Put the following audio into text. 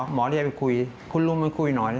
หมอเรียกไปคุยคุณลุงไปคุยหน่อย